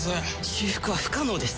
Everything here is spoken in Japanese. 修復は不可能です。